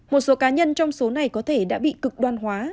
một số cá nhân trong số này có thể đã bị cực đoan hóa